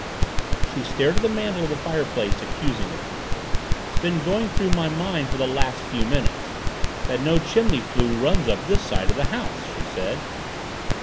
She stared at the mantel of the fireplace accusingly. "It's been going through my mind for the last few minutes that no chimney flue runs up this side of the house!" she said.